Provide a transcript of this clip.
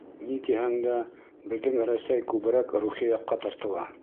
Ни тиһәң дә, беҙҙең Рәсәй күберәк рухи яҡҡа тартыла.